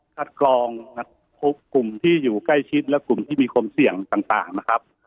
กรองทุกกลุ่มที่อยู่ใกล้ชิดและกลุ่มที่มีความเสี่ยงต่างนะครับ